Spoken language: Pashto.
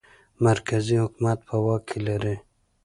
مرکزي حکومت په واک کې لري.